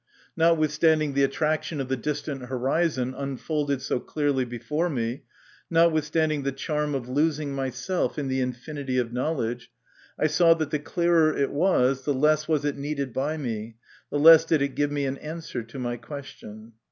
Notwithstanding 51 52 MY CONFESS/ON. the attraction of the distant horizon unfolded so clearly before me, notwithstanding the charm of losing myself in the infinity of knowledge, I saw that the clearer it was the less was it needed by me, the less did it give me an answer to my question.